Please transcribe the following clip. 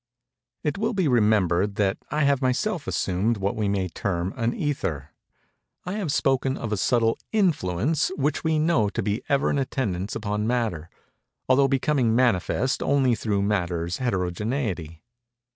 It will be remembered that I have myself assumed what we may term an ether. I have spoken of a subtle influence which we know to be ever in attendance upon matter, although becoming manifest only through matter's heterogeneity.